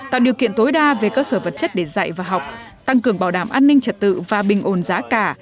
tạo điều kiện tối đa về cơ sở vật chất để dạy và học tăng cường bảo đảm an ninh trật tự và bình ồn giá cả